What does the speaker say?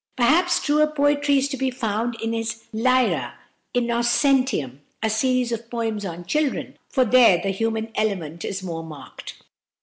Perhaps truer poetry is to be found in his "Lyra Innocentium," a series of poems on children, for there the human element is more marked.